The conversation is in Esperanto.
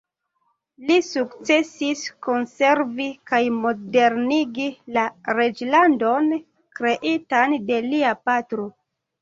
Li sukcesis konservi kaj modernigi la reĝlandon kreitan de lia patro.